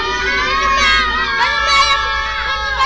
tidak ada yang bisa dipercaya